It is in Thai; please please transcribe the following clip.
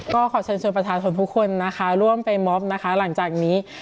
ก็ขอฉันช่วยประธานธรรมทุกคนร่วมไปมอบหลังจากนี้